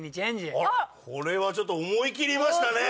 これはちょっと思い切りましたね。